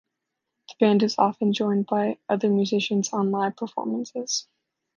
The band is often joined by other musicians on live performances.